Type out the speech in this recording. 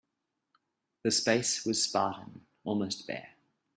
The space was spartan, almost bare.